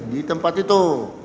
di tempat itu